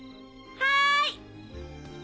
はい。